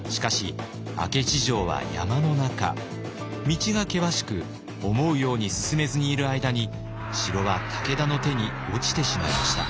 道が険しく思うように進めずにいる間に城は武田の手に落ちてしまいました。